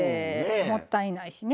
もったいないしね。